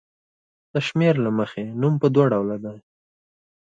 د شمېر له مخې نوم په دوه ډوله دی.